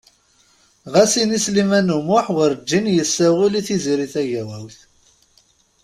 Xas ini Sliman U Muḥ wurǧin yessawel i Tiziri Tagawawt.